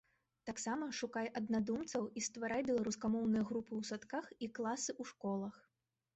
Таксама шукай аднадумцаў і стварай беларускамоўныя групы ў садках і класы ў школах.